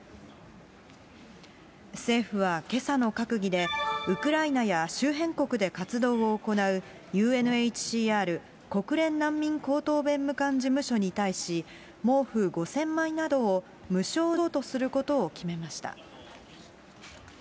政府はけさの閣議で、ウクライナや周辺国で活動を行うＵＮＨＣＲ・国連難民高等弁務官事務所に対し、毛布５０００枚などを無償譲渡することを決めました。